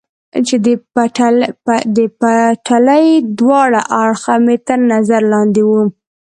چې د پټلۍ دواړه اړخه مې تر نظر لاندې و.